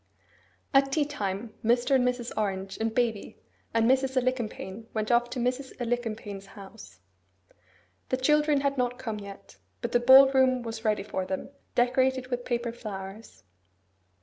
At tea time, Mr. and Mrs. Orange, and baby, and Mrs. Alicumpaine went off to Mrs. Alicumpaine's house. The children had not come yet; but the ball room was ready for them, decorated with paper flowers.